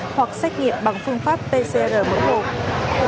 hoặc xét nghiệm bằng phương pháp pcr mẫu hộp